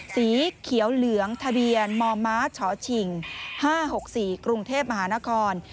สีเขียวเหลืองทะเบียนมมชชิง๕๖๔กรุงเทพมหานคร